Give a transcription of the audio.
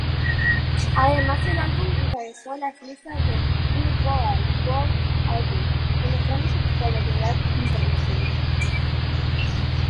Además, el álbum encabezó las listas del Billboard World Album demostrando su popularidad internacional.